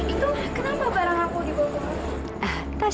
itu kenapa barang aku dibawa ke rumah